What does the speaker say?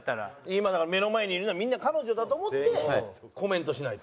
今だから目の前にいるのはみんな彼女だと思ってコメントしないと。